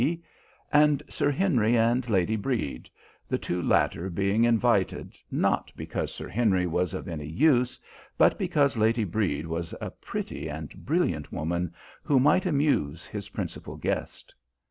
P., and Sir Henry and Lady Breyd, the two latter being invited, not because Sir Henry was of any use, but because Lady Breyd was a pretty and brilliant woman who might amuse his principal guest.